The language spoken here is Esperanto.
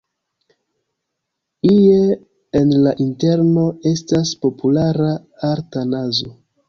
Ie en la interno estas populara arta nazo.